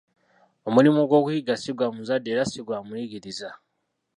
Omulimo gw'okuyiga ssi gwa muzadde era ssi gwa muyigiriza.